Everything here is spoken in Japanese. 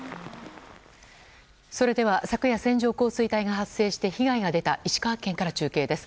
それでは昨夜線状降水帯が発生して被害が出た石川県から中継です。